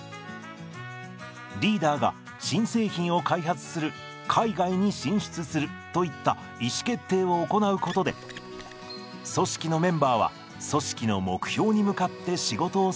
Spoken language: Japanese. リーダーが新製品を開発する海外に進出するといった意思決定を行うことで組織のメンバーは組織の目標に向かって仕事をすることができます。